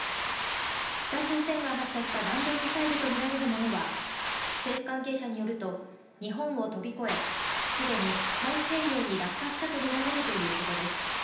北朝鮮が発射した弾道ミサイルとみられるものは政府関係者によると、日本を飛び越え、すでに太平洋に落下したとみられるということです。